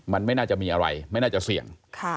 มันไม่น่าจะมีอะไรไม่น่าจะเสี่ยง